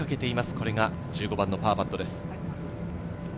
これが１５番のパーパットです。